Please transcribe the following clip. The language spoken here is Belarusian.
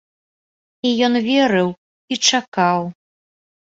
І ён верыў і чакаў.